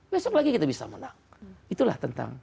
besok lagi kita bisa menang itulah tentang